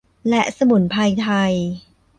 และสมุนไพรไทย